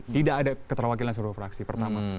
tidak ada keterwakilan seluruh fraksi pertama